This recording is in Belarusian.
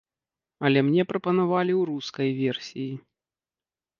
Але мне прапанавалі ў рускай версіі.